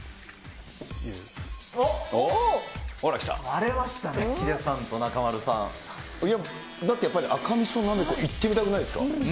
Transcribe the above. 割れましたね、ヒデさんと中だってやっぱり、赤みそなめこ、いってみたくないですか？